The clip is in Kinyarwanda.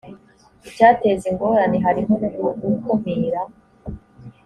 icyateza ingorane harimo no gukumira